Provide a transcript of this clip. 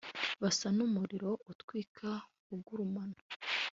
Basa numuriro utwika uguruaman